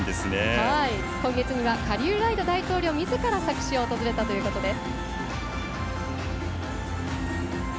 今月にはカリユライド大統領みずから佐久市を訪れたということです。